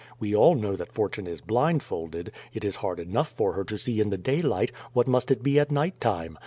We all know that fortune is blindfolded. It is hard enough for her to see in the daylight, what must it be at night time?